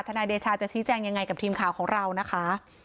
นายเดชาจะชี้แจงยังไงกับทีมข่าวของเรานะคะ